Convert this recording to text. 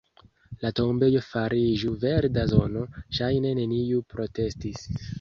La tombejo fariĝu verda zono; ŝajne neniu protestis.